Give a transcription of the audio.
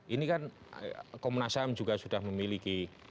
ini kan komnas ham juga sudah memiliki